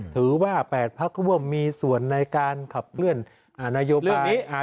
ถือว่าแปดพักร่วมมีส่วนในการขับเคลื่อนนโยบาย